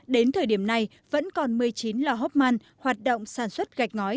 đến thời điểm này vẫn còn một mươi chín lò gạch hóc man hoạt động sản xuất gạch ngói